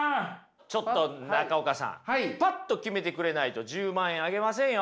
ちょっと中岡さんパッと決めてくれないと１０万円あげませんよ。